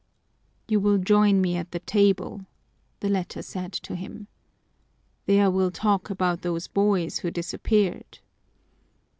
"You will join me at the table," the latter said to him. "There we'll talk about those boys who disappeared."